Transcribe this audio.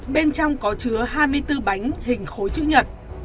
bên trong có chứa hai mươi bốn bánh hình khối chữ nhật